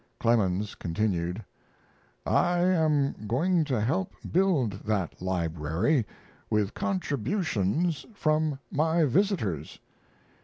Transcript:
Clemens continued: I am going to help build that library with contributions from my visitors.